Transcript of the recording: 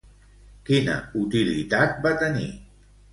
Quina utilitat va tenir?